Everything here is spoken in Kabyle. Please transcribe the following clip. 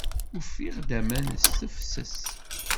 Ufiɣ-d aman s tefses.